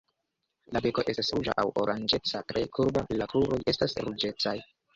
La beko estas ruĝa aŭ oranĝeca, tre kurba, la kruroj estas ruĝecaj.